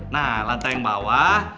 nah lantai bawah